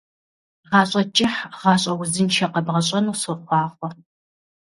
Гъащӏэ кӏыхь, гъащӏэ узыншэ къэбгъэщӏэну сохъуахъуэ.